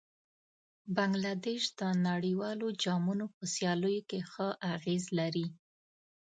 بنګله دېش د نړیوالو جامونو په سیالیو کې ښه اغېز لري.